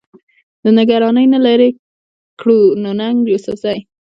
د نګرانۍ نه لرې کړو، نو ننګ يوسفزۍ